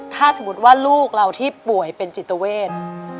ถ้าสมมุติว่าลูกเราที่ป่วยเป็นจิตเวท